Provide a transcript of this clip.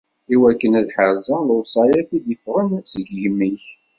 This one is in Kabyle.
Iwakken ad ḥerzeɣ lewṣayat i d-iffɣen seg yimi-k.